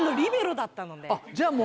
あっじゃあもう。